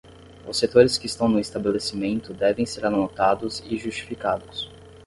Os setores que estão no estabelecimento devem ser anotados e justificados.